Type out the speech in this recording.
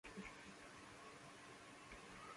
The taxa of the higher plants above the rank of order.